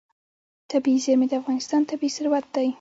طبیعي زیرمې د افغانستان طبعي ثروت دی.